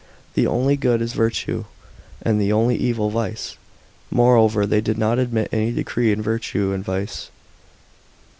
The only good is virtue ; and the only evil vice. Moreover, they did not admit any decree in virtue and vice.